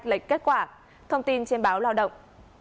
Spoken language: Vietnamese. lệch kết quả thông tin trên báo lao động